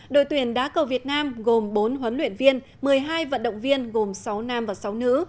đội tuyển đá cầu việt nam gồm bốn huấn luyện viên một mươi hai vận động viên gồm sáu nam và sáu nữ